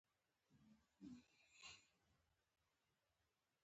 دا لوړو مقاماتو ته وړاندې کیږي.